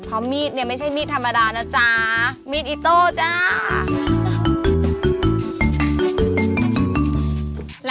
เพราะมีดเนี่ยไม่ใช่มีดธรรมดานะจ๊ะมีดอิโต้จ้า